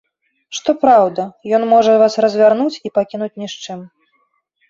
Што праўда, ён можа вас развярнуць і пакінуць ні з чым.